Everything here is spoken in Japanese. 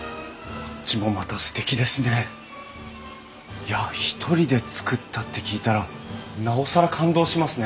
いや一人で造ったって聞いたらなおさら感動しますね。